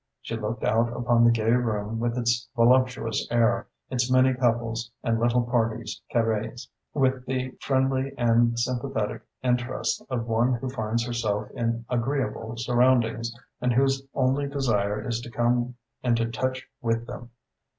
She looked out upon the gay room with its voluptuous air, its many couples and little parties carrées, with the friendly and sympathetic interest of one who finds herself in agreeable surroundings and whose only desire is to come into touch with them.